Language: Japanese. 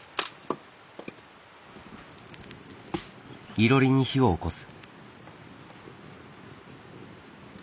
いろりに火をおこす。